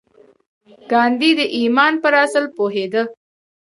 ګاندي د ايمان پر اصل پوهېده.